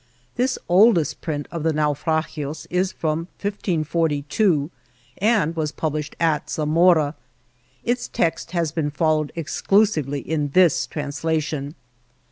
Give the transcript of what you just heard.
This old est print of the Naufragios is from 1542 and was published at Zamora. Its text has been followed exclusively in this translation.